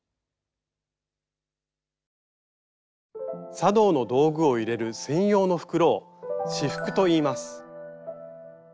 茶道の道具を入れる専用の袋を「仕覆」といいます。